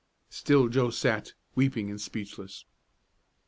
Still Joe sat, weeping and speechless.